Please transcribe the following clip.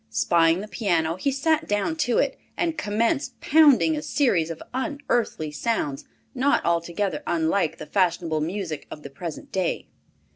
Spying the piano, he sat down to it, and commenced producing a series of unearthly sounds, not altogether unlike the fashionable music of the present day.